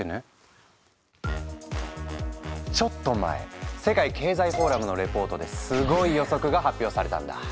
ちょっと前世界経済フォーラムのレポートですごい予測が発表されたんだ。